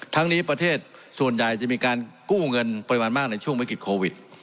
ทั้งนี้ประเทศส่วนใหญ่จะมีการกู้เงินปริมาณมากในช่วงวิกฤตโควิด